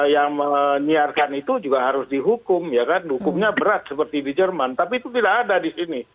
yang menyiarkan itu juga harus dihukum ya kan hukumnya berat seperti di jerman tapi itu tidak ada di sini